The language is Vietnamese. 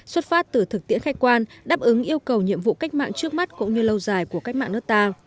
xuất phát từ thực tiễn khách quan đáp ứng yêu cầu nhiệm vụ cách mạng trước mắt cũng như lâu dài của cách mạng nước ta